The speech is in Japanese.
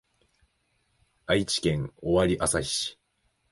愛知県尾張旭市